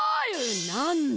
なんだ？